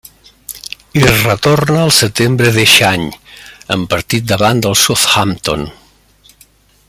Hi retorna al setembre d'eixe any, en partit davant el Southampton.